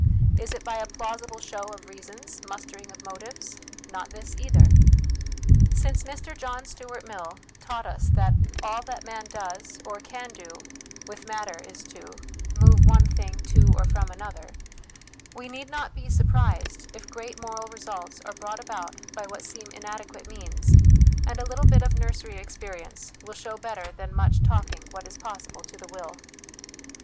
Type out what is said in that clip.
Is it by a plausible show of reasons, mustering of motives ? Not this either. Since Mr John Stuart Mill taught us that " all that man does, or can do, with matter " 324 HOME EDUCATION is to " move one thing to or from another," we need not be surprised if great moral results are brought about by what seem inadequate means ; and a little bit of nursery experience will show better than much talking what is possible to the will.